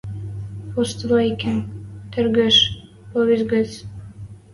Поствайкин, «Тыргыж» повесть гӹц.